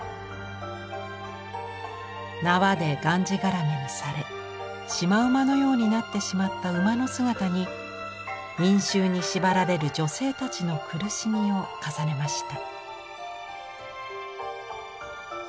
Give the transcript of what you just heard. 縄でがんじがらめにされシマウマのようになってしまった馬の姿に因習に縛られる女性たちの苦しみを重ねました。